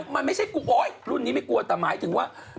มันไม่ใช่กูโอ๊ยรุ่นนี้ไม่กลัวแต่หมายถึงว่า